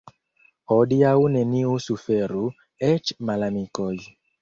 Hodiaŭ neniu suferu, eĉ malamikoj.